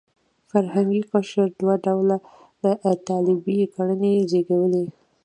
فرهنګي قشر دوه ډوله طالبي کړنې زېږولې.